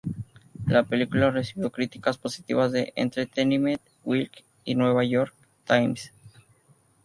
La película recibió críticas positivas de "Entertainment Weekly" y "The New York Times".